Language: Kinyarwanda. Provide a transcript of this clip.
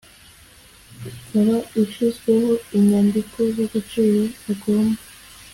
ikaba ishyizweho inyandiko z agaciro agomba